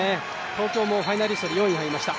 東京もファイナリストで４位に入りました。